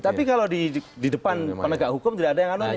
tapi kalau di depan penegak hukum tidak ada yang anoni